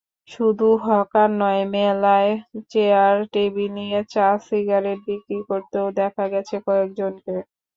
শুধু হকার নয়, মেলায় চেয়ার-টেবিল নিয়ে চা-সিগারেট বিক্রি করতেও দেখা গেছে কয়েকজনকে।